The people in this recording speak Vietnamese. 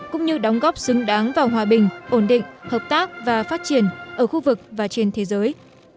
cũng như đóng góp xứng đáng vào hòa bình ổn định hợp tác và phát triển ở khu vực và trên thế giới